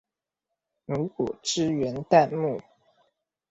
如果支援彈幕